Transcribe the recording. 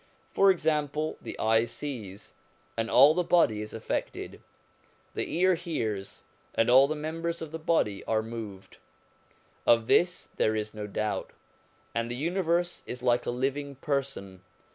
For example, the eye sees, and all the body is affected; the ear hears, and all the members of the body are moved. Of this there is no doubt ; and the universe is like a living person.